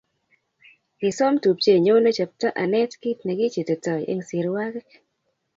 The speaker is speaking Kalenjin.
kisom tupchenyu ne chepto aneet kit nekichititoi eng sirwakik